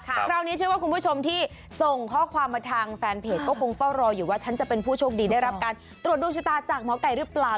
คราวนี้เชื่อว่าคุณผู้ชมที่ส่งข้อความมาทางแฟนเพจก็คงเฝ้ารออยู่ว่าฉันจะเป็นผู้โชคดีได้รับการตรวจดวงชะตาจากหมอไก่หรือเปล่า